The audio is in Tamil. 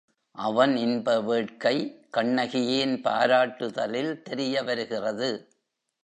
அவன் இன்ப வேட்கை கண்ணகியின் பாராட்டுதலில் தெரியவருகிறது.